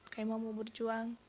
kaima mau berjuang